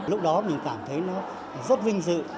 lúc đó mình cảm thấy nó rất vinh dự